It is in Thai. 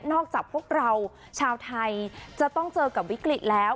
จากพวกเราชาวไทยจะต้องเจอกับวิกฤตแล้ว